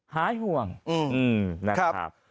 หายห่วงนะครับครับ